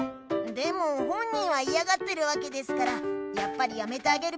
でも本人はいやがってるわけですからやっぱりやめてあげるべきだと思います。